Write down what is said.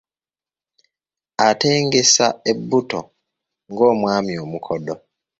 Atengeesa ebbuto, ng’omwami omukodo.